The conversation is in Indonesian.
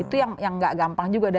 itu yang gak gampang juga